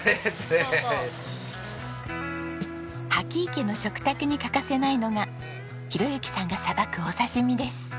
波木井家の食卓に欠かせないのが宏幸さんがさばくお刺し身です。